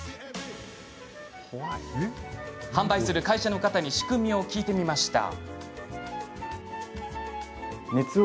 販売する会社の方に仕組みを聞いてみました。